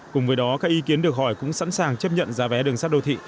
cùng với đó các ý kiến được hỏi cũng sẵn sàng chấp nhận giá vé đường sắt đô thị